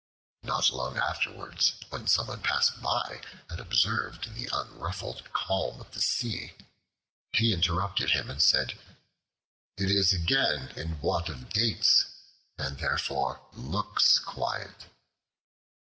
Not long afterwards when someone passed by and observed the unruffled calm of the Sea, he interrupted him and said, "It is again in want of dates, and therefore looks quiet."